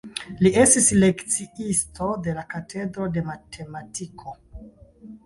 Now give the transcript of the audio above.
Li estis lekciisto de la katedro de matematiko.